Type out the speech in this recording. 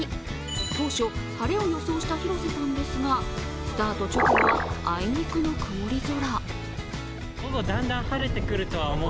当初、晴れを予想した広瀬さんですがスタート直後はあいにくの曇り空。